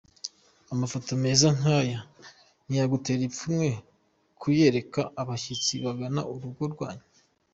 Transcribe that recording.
Amafoto meza nk'aya ntiyagutera ipfunwe kuyereka abashyitsi bagana urugo rwanyu.